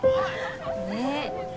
ねっ。